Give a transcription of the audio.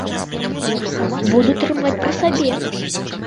Буду трымаць пры сабе!